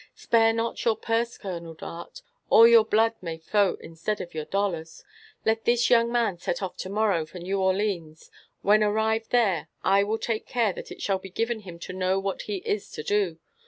Spare not your purse. Colonel Dart, or your blood may flow instead of your dollars : iel this young man set oflf to morrow for New Orleans. When arrived there, I will take care that it shall be given him to know what he is to do.